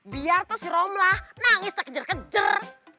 biar tuh si romlah nangis tak kejer kejer